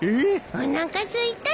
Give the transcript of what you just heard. おなかすいたです。